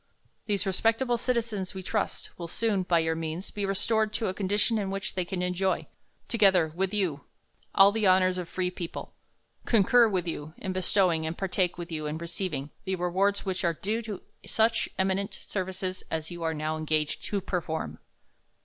These respectable citizens, we trust, will soon, by your means, be restor ed to a condition in which they can enjoy, together with you, ail the honors of a free people ; concur with you, in bestowing, and partake with you in receivmg, the rewards which are due to such eminent services as you are now engaged to perform.